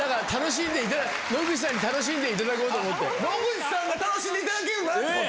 野口さんが楽しんでいただけるならってこと。